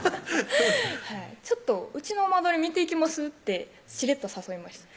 「ちょっとうちの間取り見ていきます？」ってしれっと誘いました